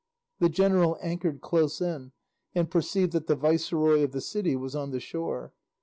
The general anchored close in, and perceived that the viceroy of the city was on the shore.